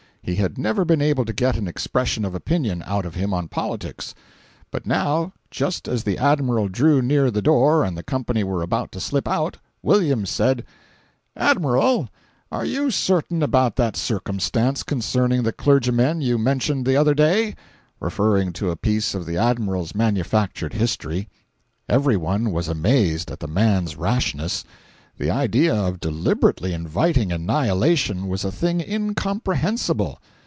He had never been able to get an expression of opinion out of him on politics. But now, just as the Admiral drew near the door and the company were about to slip out, Williams said: "Admiral, are you certain about that circumstance concerning the clergymen you mentioned the other day?"—referring to a piece of the Admiral's manufactured history. Every one was amazed at the man's rashness. The idea of deliberately inviting annihilation was a thing incomprehensible.